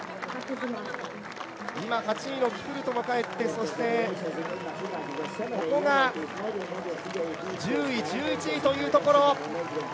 今、８位のキプルトが帰ってそしてここが１０位、１１位というところ。